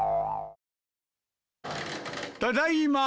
ただいま。